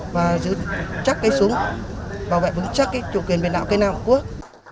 và giữ chắc cái súng bảo vệ vững chắc cái chủ quyền biển đảo cây nào của tổ quốc